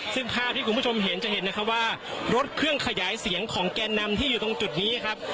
ซึ่งภาพที่คุณผู้ชมเห็นจะเห็นนะครับว่ารถเครื่องขยายเสียงของแกนนำที่อยู่ตรงจุดนี้ครับ